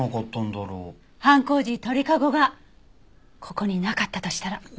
犯行時鳥籠がここになかったとしたら。